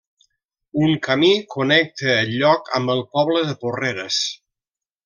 Un camí connecta el lloc amb el poble de Porreres.